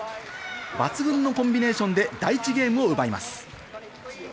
抜群のコンビネーションで第１ゲームを奪います。